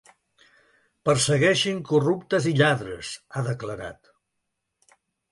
Persegueixin corruptes i lladres, ha declarat.